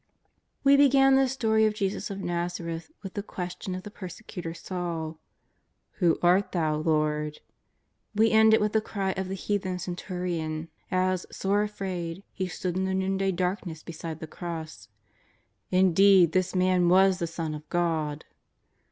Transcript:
f We began this story of Jesus of ISTazareth with the question of the persecutor Saul :" Who art Thou, Lord ?" We end it with the cry of the heathen cen turion, as, sore afraid, he stood in the noonday dark ness beside the Cross: '^ Indeed this Man was the Son of God!''